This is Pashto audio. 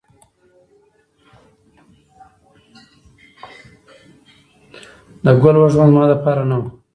د ګل وږمه زما دپار نه وه